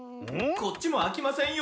こっちもあきませんよ。